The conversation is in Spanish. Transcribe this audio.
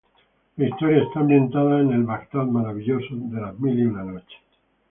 La historieta está ambientada en el Bagdad maravilloso de "Las mil y una noches".